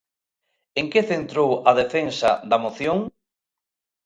En que centrou a defensa da moción?